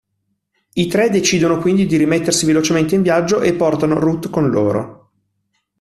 I tre decidono quindi di rimettersi velocemente in viaggio e portano Ruth con loro.